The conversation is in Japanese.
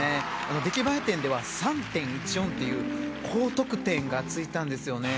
出来栄え点では３．１４という高得点が付いたんですよね。